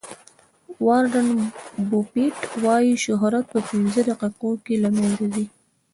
وارن بوفیټ وایي شهرت په پنځه دقیقو کې له منځه ځي.